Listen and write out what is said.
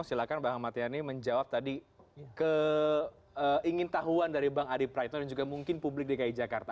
silahkan bang amad yanni menjawab tadi keingin tahuan dari bang adip rayitno dan juga mungkin publik dki jakarta